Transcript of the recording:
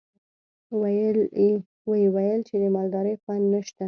ويې ويل چې د مالدارۍ خونده نشته.